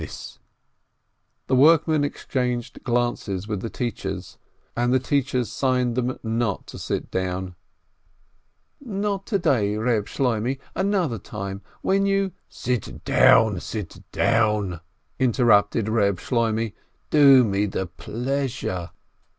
23 350 PINSKI The workmen exchanged glances with the teachers and the teachers signed to them not to sit down. "Not to day, Eeb Shloimeh, another time, when you—" "Sit down, sit down !" interrupted Reb Shloimeh, "Do me the pleasure